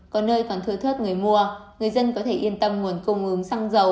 có nơi còn thưa thước người mua người dân có thể yên tâm nguồn công ứng xăng dầu